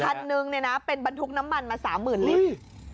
ขั้นหนึ่งเป็นบนทุกน้ำมันมามี๓๐๐๐๐ลิตร